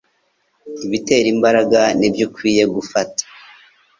ibitera imbaraga nibyo ukwiye gufata